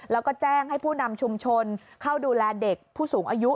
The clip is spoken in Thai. แล้วก็แจ้งให้ผู้นำชุมชนเข้าดูแลเด็กผู้สูงอายุ